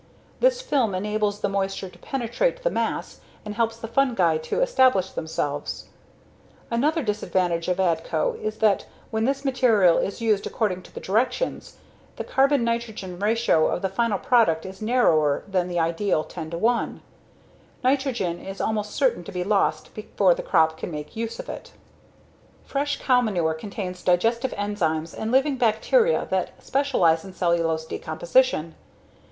This film enables the moisture to penetrate the mass and helps the fungi to establish themselves. Another disadvantage of Adco is that when this material is used according to the directions, the carbon nitrogen ratio of the final product is narrower than the ideal 10:1. Nitrogen is almost certain to be lost before the crop can make use of it" Fresh cow manure contains digestive enzymes and living bacteria that specialize in cellulose decomposition.